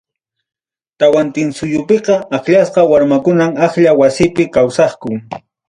Tawantinsuyupiqa, akllasqa warmakunam aklla wasipi kawsaqku.